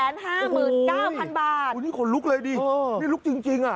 นี่คนลุกเลยดินี่ลุกจริงอะ